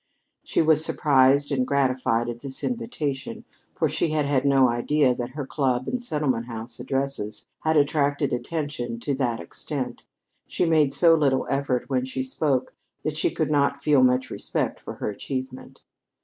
She was surprised and gratified at this invitation, for she had had no idea that her club and settlement house addresses had attracted attention to that extent. She made so little effort when she spoke that she could not feel much respect for her achievement.